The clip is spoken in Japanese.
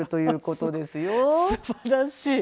すばらしい。